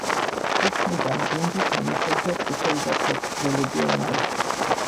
შექმნიდან გუნდი თამაშობდა წითელ და თეთრ ზოლებიან მაისურში.